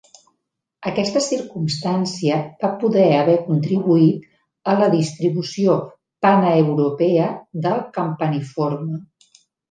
Aquesta circumstància va poder haver contribuït a la distribució paneuropea del campaniforme.